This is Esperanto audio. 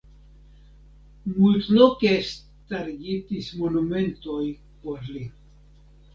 Multloke starigitis monumentoj por li.